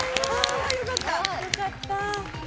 あよかった。